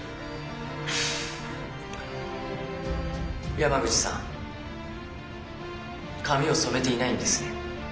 山口さん髪を染めていないんですね。